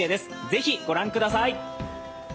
是非、ご覧ください。